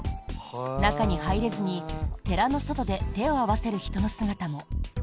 中に入れずに寺の外で手を合わせる人の姿も。